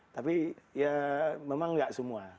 tapi memang tidak semua